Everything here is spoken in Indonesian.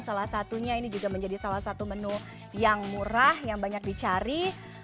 salah satunya ini juga menjadi salah satu menu yang murah yang banyak dicari